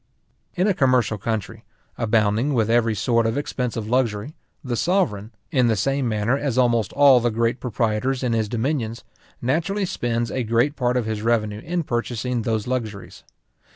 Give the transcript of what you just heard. In a commercial country, abounding with every sort of expensive luxury, the sovereign, in the same manner as almost all the great proprietors in his dominions, naturally spends a great part of his revenue in purchasing those luxuries.